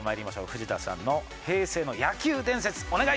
藤田さんの平成の野球伝説お願いします。